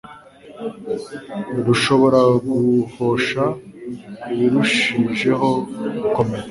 rushobora guhosha ibirushijeho gukomera